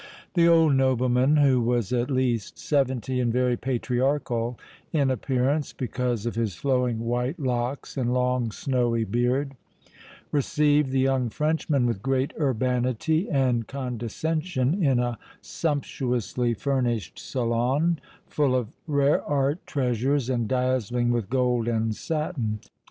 The old nobleman, who was at least seventy and very patriarchal in appearance because of his flowing white locks and long snowy beard, received the young Frenchman with great urbanity and condescension in a sumptuously furnished salon full of rare art treasures and dazzling with gold and satin.